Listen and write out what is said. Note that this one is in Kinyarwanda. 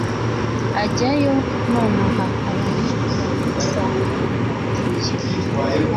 Ajyayo nonaha ara mubura asanga yajyiye.